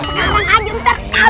sekarang aja ntar